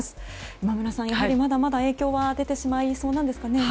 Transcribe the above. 今村さん、やはりまだまだ影響は出てしまいそうなんですかね。